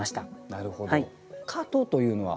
なるほど。